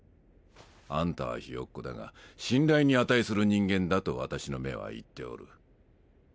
あんたはひよっこだが信頼に値する人間だと私の目は言っておる。